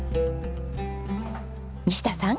西田さん。